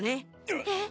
えっ。